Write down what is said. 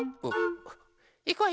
いくわよ！